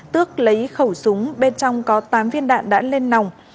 tước lấy khẩu súng bên trong có tám viên đạn đã lên nòng